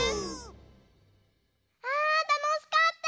あたのしかった！ね。